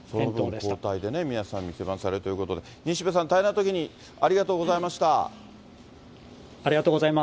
その分、交代でね、皆さん、店番されるということで、西部さん、大変なときにありがとうございました。